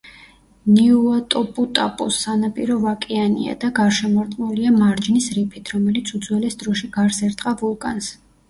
ნიუატოპუტაპუს სანაპირო ვაკიანია და გარშემორტყმულია მარჯნის რიფით, რომელიც უძველეს დროში გარს ერტყა ვულკანს.